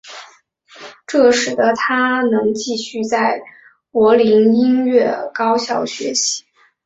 这使得他能继续在柏林音乐高校学习。